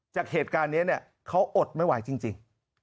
จากเหตุการณ์เนี้ยเนี้ยเค้าอดไม่ไหวจริงจริง